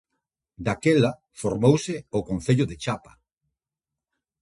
Daquela formouse o concello de Chapa.